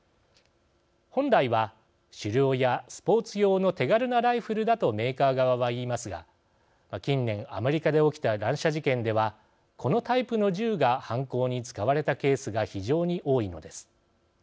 本来は狩猟やスポーツ用の手軽なライフルだとメーカー側は言いますが近年、アメリカで起きた乱射事件ではこのタイプの銃が犯行に使われたケースが非常に多いのです。